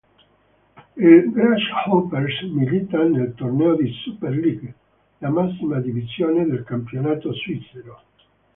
Il Grasshoppers milita nel torneo di Super League, la massima divisione del campionato svizzero.